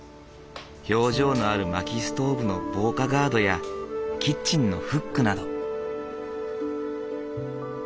表情のあるまきストーブの防火ガードやキッチンのフックなど。